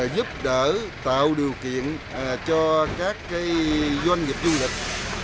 giúp đỡ tạo điều kiện cho các doanh nghiệp du lịch